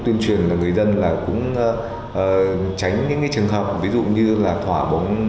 truyền là người dân cũng tránh những trường hợp ví dụ như là thỏa bóng